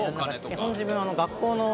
基本自分。